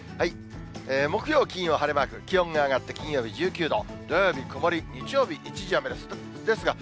木曜、金曜、晴れマーク、気温が上がって金曜日１９度、土曜日曇り、日曜日一時雨です。